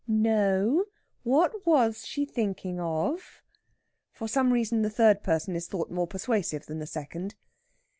"No what was she thinking of?" For some reason the third person is thought more persuasive than the second.